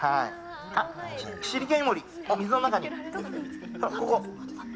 シリケンイモリ、水の中に。